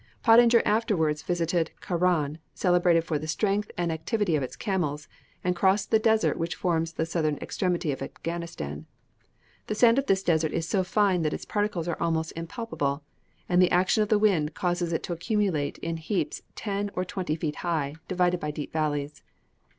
Pottinger afterwards visited the Kharan, celebrated for the strength and activity of its camels, and crossed the desert which forms the southern extremity of Afghanistan. The sand of this desert is so fine that its particles are almost impalpable, and the action of the wind causes it to accumulate into heaps ten or twenty feet high, divided by deep valleys.